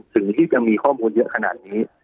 สิ่งที่จะมีข้อมูลเยอะขนาดนี้